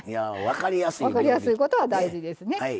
分かりやすいことは大事ですね。